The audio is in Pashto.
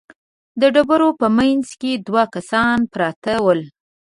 د ډبرو په مينځ کې دوه کسان پراته ول.